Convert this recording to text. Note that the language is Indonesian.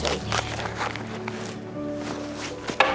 aku gak akan beri beasiswa ini